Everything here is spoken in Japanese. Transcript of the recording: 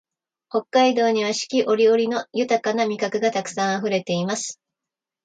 北海道には四季折々の豊な味覚がたくさんあふれています